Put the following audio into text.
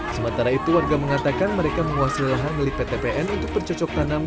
sementara itu warga mengatakan mereka menguasai lahan melipat ptpn untuk bercocok tanam